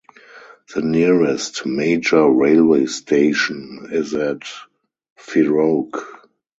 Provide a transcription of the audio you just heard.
The nearest major railway station is at Feroke.